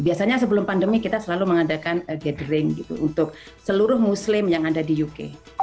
biasanya sebelum pandemi kita selalu mengadakan gathering gitu untuk seluruh muslim yang ada di uk